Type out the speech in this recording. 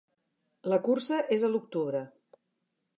La cursa és a l'octubre.